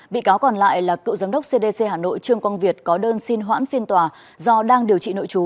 bị cáo còn lại là cựu giám đốc cdc hà nội trương quang việt có đơn xin hoãn phiên tòa do đang điều trị nội chú